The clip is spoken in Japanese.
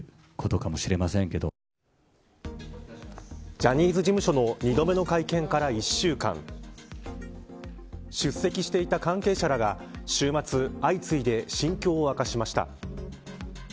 ジャニーズ事務所の２度目の会見から１週間出席していた関係者らが週末、相次いで心境を明かしました。